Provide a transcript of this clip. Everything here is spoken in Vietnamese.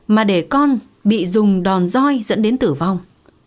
mà để con bị dùng đòn roi dẫn đến tử vong